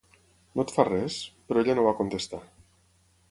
"No et fa res?" Però ella no va contestar.